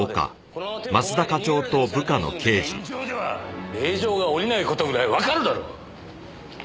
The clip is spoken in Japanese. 現状では令状が下りない事ぐらいわかるだろう！